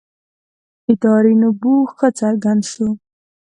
ادارې نبوغ ښه څرګند شو.